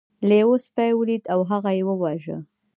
لیوه سپی ولید او هغه یې وواژه.